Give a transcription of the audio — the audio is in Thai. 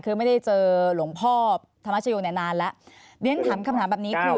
คือไม่ได้เจอหลวงพ่อธรรมชโยคแน็ตนานละ